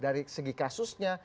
dari segi kasusnya